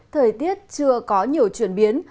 thời tiết chưa có nhiều chuyển biến